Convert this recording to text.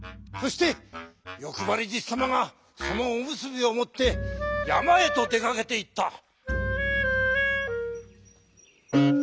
そしてよくばりじさまがそのおむすびをもってやまへとでかけていった。